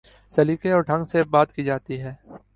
سلیقے اور ڈھنگ سے بات کی جاتی ہے۔